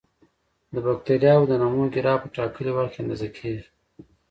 د بکټریاوو د نمو ګراف په ټاکلي وخت کې اندازه کیږي.